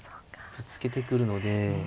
ぶつけてくるので。